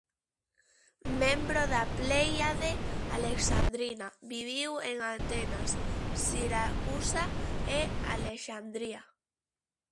Membro da pléiade alexandrina, viviu en Atenas, Siracusa e Alexandría.